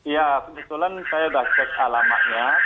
ya kebetulan saya sudah cek alamatnya